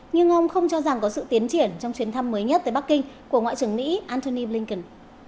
nhưng ông không cho rằng có sự tiến triển trong chuyến thăm mới nhất tới bắc kinh của ngoại trưởng mỹ antony blinken